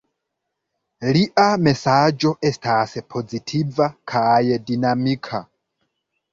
Lia mesaĝo estas pozitiva kaj dinamika.